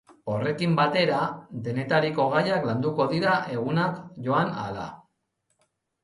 Horrekin batera, denetariko gaiak landuko dira egunak joan ahala.